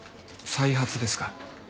再発ですか。